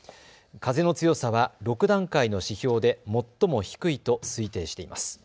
風の強さは６段階の指標で最も低いと推定しています。